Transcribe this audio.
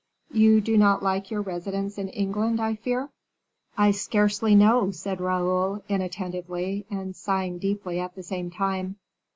"You do not like your residence in England, I fear." "I scarcely know," said Raoul, inattentively, and sighing deeply at the same time.